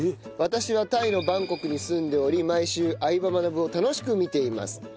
私はタイのバンコクに住んでおり毎週『相葉マナブ』を楽しく見ています。